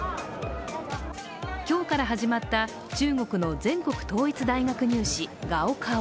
今日から始まった中国の全国統一大学入試、高考。